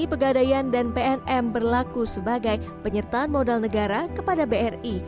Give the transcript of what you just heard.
pt pegadayan dan pt pnm berlaku sebagai penyertaan modal negara kepada bri